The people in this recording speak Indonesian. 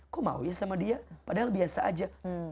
kok mau ya sama dia padahal biasa aja